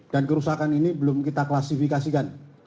dan kerusakan ini belum kita klasifikasikan